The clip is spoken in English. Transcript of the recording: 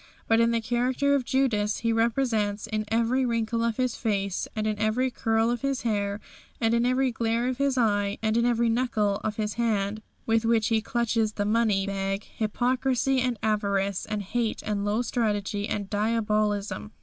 But in the character of Judas he represents, in every wrinkle of his face, and in every curl of his hair, and in every glare of his eye, and in every knuckle of his hand with which he clutches the money bag, hypocrisy and avarice and hate and low strategy and diabolism.